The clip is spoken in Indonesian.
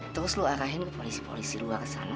terus lu arahin ke polisi polisi luar ke sana